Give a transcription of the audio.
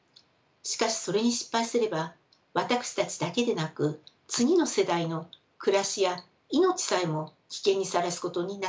しかしそれに失敗すれば私たちだけでなく次の世代の暮らしや命さえも危険にさらすことになってしまいます。